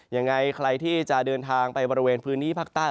ยังไงใครที่จะเดินทางไปบริเวณพื้นที่ภาคใต้